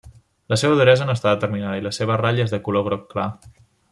La seva duresa no està determinada i la seva ratlla és de color groc clar.